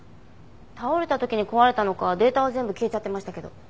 倒れた時に壊れたのかデータは全部消えちゃってましたけど。